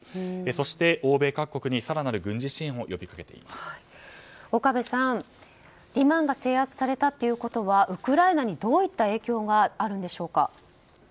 そして、欧米各国に更なる軍事支援を岡部さんリマンが制圧されたということはウクライナにどういった影響があるんでしょうか。